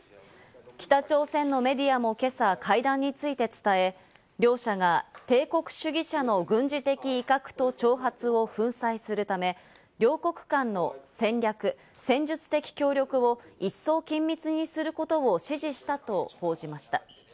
北朝鮮のメディアも今朝、会談について伝え、両者が帝国主義者の軍事的威嚇と挑発を粉砕するため、両国間の戦略、戦術的協力を一層、緊密にすることを支持したと報じました。